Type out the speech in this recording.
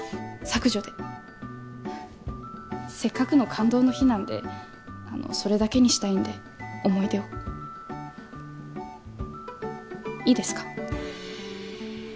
削除でせっかくの感動の日なんでそれだけにしたいんで思い出をいいですか？